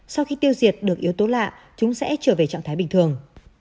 sau khi tiêu diệt được yếu tố lạ chúng sẽ trở về trạng thái bình thường